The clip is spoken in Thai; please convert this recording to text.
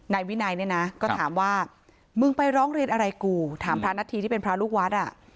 นายวินัยเนี่ยนะก็ถามว่ามึงไปร้องเรียนอะไรกูถามพระนัทธีที่เป็นพระลูกวัดอ่ะ